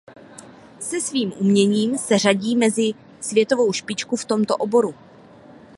Se svým uměním se řadí mezi světovou špičku v tomto oboru.